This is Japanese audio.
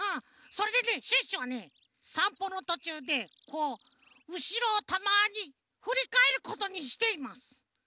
それでねシュッシュはねさんぽのとちゅうでこううしろをたまにふりかえることにしています。